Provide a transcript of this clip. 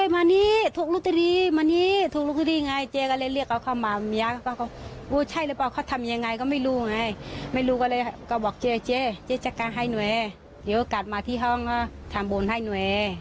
ไม่รู้ก็เลยก็บอกเจ๊เจ๊เจ๊จัดการให้หน่วยเดี๋ยวก่อนกลับมาที่ห้องก็ทำบนให้หน่วย